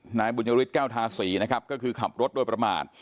หน้าบุญญฤตเกล้าทาสีนะครับก็คือขับรถโดยประมาท